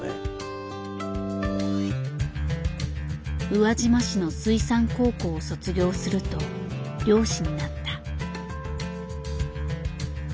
宇和島市の水産高校を卒業すると漁師になった。